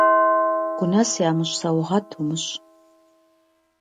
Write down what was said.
Гунэс ямыщӀ саугъэт умыщӀ.